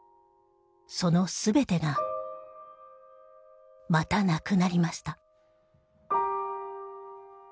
その全てがまたなくなりました。